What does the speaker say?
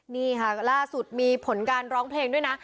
นี่ค่ะล่าสุดมีผลการร้องเพลงด้วยนะ